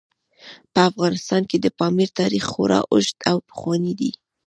په افغانستان کې د پامیر تاریخ خورا اوږد او پخوانی دی.